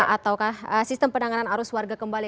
ataukah sistem penanganan arus warga kembali